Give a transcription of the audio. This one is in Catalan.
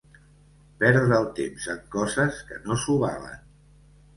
Perdre el temps en coses que no s'ho valen.